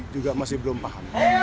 juga masih belum paham